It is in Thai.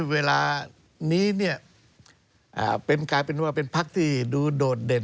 กลายเป็นว่าเป็นภักดิ์ที่ดูโดดเด่น